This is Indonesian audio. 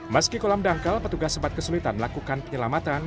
meski kolam dangkal petugas sempat kesulitan melakukan penyelamatan